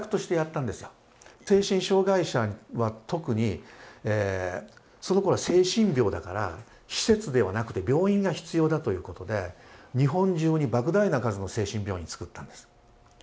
精神障害者は特にそのころは精神病だから施設ではなくて病院が必要だということで日本中にばく大な数の精神病院つくったんです。